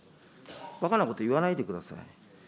ばかなこと言わないでください。